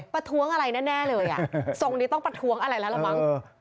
ประท้วงอะไรแน่เลยทรงนี้ต้องประท้วงอะไรแล้วละมั้ง